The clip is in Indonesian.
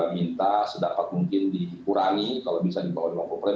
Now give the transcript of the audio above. kita minta sedapat mungkin dikurangi kalau bisa dibawa dalam koordinasi